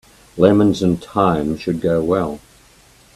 Lemons and thyme should go well.